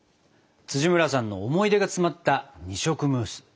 村さんの思い出が詰まった二色ムース。